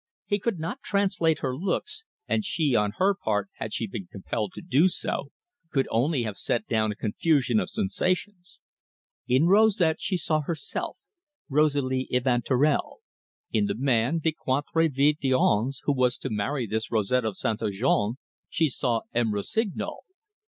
He could not translate her looks; and she, on her part, had she been compelled to do so, could only have set down a confusion of sensations. In Rosette she saw herself, Rosalie Evanturel; in the man "de quatre vingt dix ans," who was to marry this Rosette of Saintonge, she saw M. Rossignol.